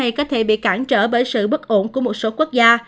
này có thể bị cản trở bởi sự bất ổn của một số quốc gia